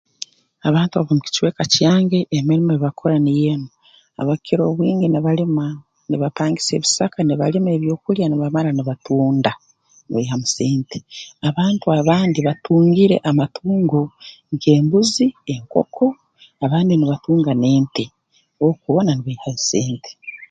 Abantu ab'omu kicweka kyange emirimo ei bakukora niyo enu abakukira obwingi nibalima nibapangisa ebisaka nibalima ebyokulya nibamara nibatunda nibaihamu sente abantu abandi batungire amatungo nk'embuzi enkoko abandi nibatunga n'ente oku hoona nibaihayo sente